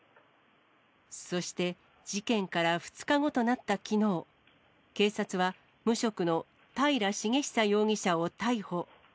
そして、事件から２日後となったきのう、警察は無職の平重壽容疑者を逮捕。